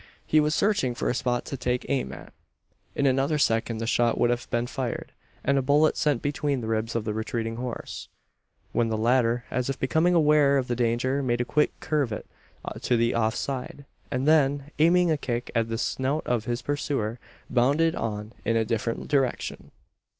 He was searching for a spot to take aim at. In another second the shot would have been fired, and a bullet sent between the ribs of the retreating horse, when the latter, as if becoming aware of the danger, made a quick curvet to the off side; and then, aiming a kick at the snout of his pursuer, bounded on in a different direction!